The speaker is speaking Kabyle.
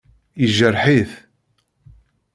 Yejreḥ-it.